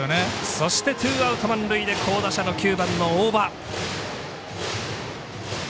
そしてツーアウト、満塁で好打者の９番の大場。